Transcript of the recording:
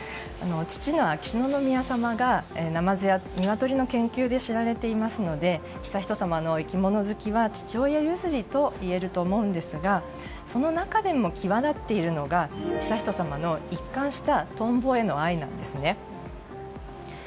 父の秋篠宮さまがナマズやニワトリの研究で知られていますので悠仁さまの生き物好きは父親譲りといえると思うんですがその中でも際立っているのが悠仁さまの一貫したトンボへの愛なんですね。